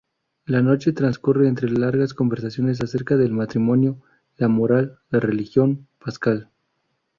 La noche transcurre entre largas conversaciones acerca del matrimonio, la moral, la religión, Pascal.